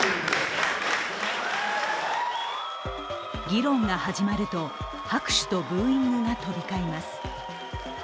議論が始まると、拍手とブーイングが飛び交います。